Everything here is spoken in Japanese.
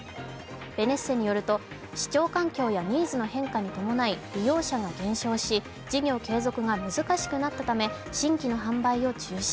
ベネッセによると、視聴環境やニーズの変化に伴い利用者が減少し事業継続が難しくなったため新規の販売を中止。